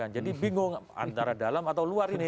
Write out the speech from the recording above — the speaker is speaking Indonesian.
jadi bingung antara dalam atau luar ini